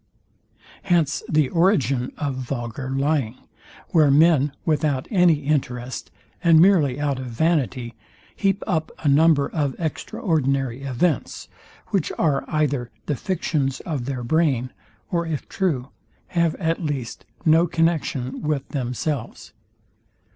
Hence the origin of vulgar lying; where men without any interest, and merely out of vanity, heap up a number of extraordinary events, which are either the fictions of their brain, or if true, have at least no connexion with themselves.